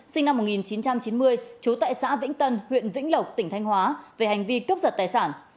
sinh năm một nghìn chín trăm chín mươi trú tại xã vĩnh tân huyện vĩnh lộc tỉnh thanh hóa về hành vi cướp giật tài sản